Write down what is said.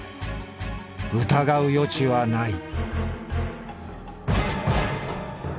疑う余地はない」。